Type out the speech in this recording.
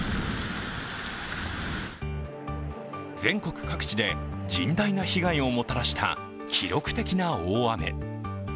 全国各地で甚大な被害をもたらした記録的な大雨。